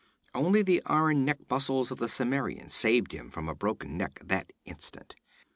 Only the iron neck muscles of the Cimmerian saved him from a broken neck that instant.